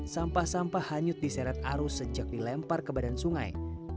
sampah sampah hanyut diseret arus sejak dilempar ke badan sungai